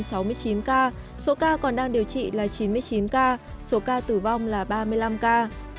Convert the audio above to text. số ca còn đang điều trị là chín mươi chín ca số ca tử vong là ba mươi năm ca